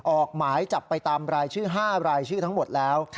ออกหมายจับไปตามรายชื่อ๕รายชื่อทั้งหมดแล้ว